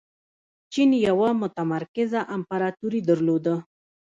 چین یوه متمرکزه امپراتوري درلوده.